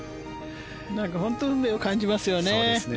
本当に運命を感じますよね。